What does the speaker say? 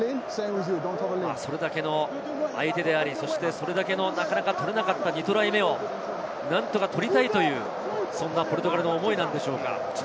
それだけの相手であり、それだけのなかなか取れなかった２トライ目を何とか取りたいという、そんなポルトガルの思いなんでしょうか。